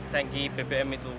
tangki bbm itu